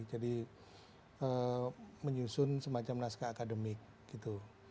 jadi menyusun semacam naskah akademik gitu